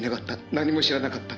何も知らなかった」